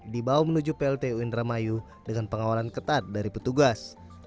dibawa menuju plt uindramayu dengan pengawalan ketat dari petugas